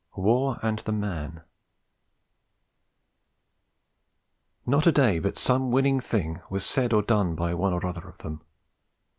WAR AND THE MAN Not a day but some winning thing was said or done by one or other of them.